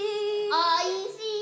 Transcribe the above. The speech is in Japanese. おいしー。